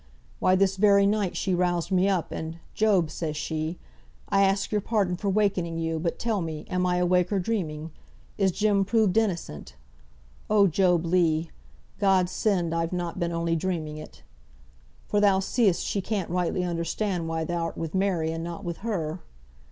Why, this very night she roused me up, and 'Job,' says she, 'I ask your pardon for wakening you, but tell me, am I awake or dreaming? Is Jem proved innocent? Oh, Job Legh! God send I've not been only dreaming it!' For thou see'st she can't rightly understand why thou'rt with Mary, and not with her.